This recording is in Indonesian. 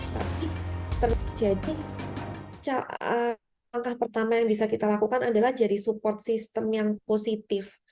tapi terjadi langkah pertama yang bisa kita lakukan adalah jadi support system yang positif